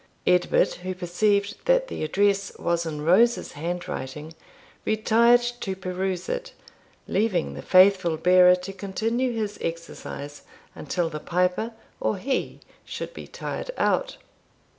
Edward, who perceived that the address was in Rose's hand writing, retired to peruse it, leaving the faithful bearer to continue his exercise until the piper or he should be tired out.